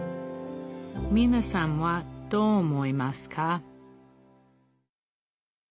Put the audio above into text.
みなさんはどう思いますか？